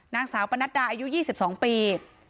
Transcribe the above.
นางสาวปนัดดาอายุ๒๒ปี